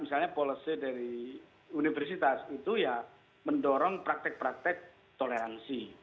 misalnya policy dari universitas itu ya mendorong praktek praktek toleransi